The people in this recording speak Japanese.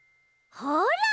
ほら！